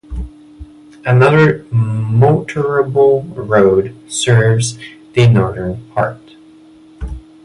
Another motorable road serves the northern part.